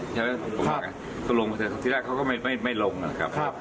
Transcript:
ใช่ไหมก็ลงไปเถอะที่แรกเขาก็ไม่ลงนะครับ